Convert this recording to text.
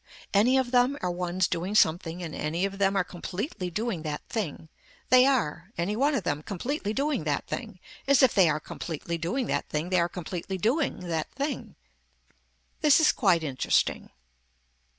Any of them are ones doing something and any of them are completely doing that thing, they are, any one of them, completely doing that thing, as if they are completely doing that thing they are completely doing that thing. This is quite interesting.